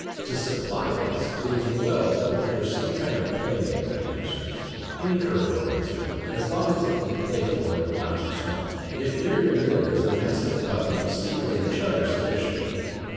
To supply this it is well to procure some kind of playmate for the youngsters; any cur will answer, as long as it be playful and not too small. If reared in litters, the Mastiff puppies will stimulate each other sufficiently.